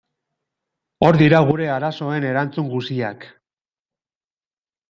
Hor dira gure arazoen erantzun guziak.